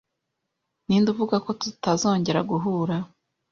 Ninde uvuga ko tutazongera guhura?